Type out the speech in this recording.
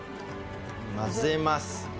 混ぜます。